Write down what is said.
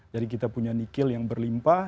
jadi kita punya nikel yang berlimpah